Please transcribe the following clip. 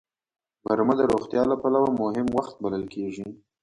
غرمه د روغتیا له پلوه مهم وخت بلل کېږي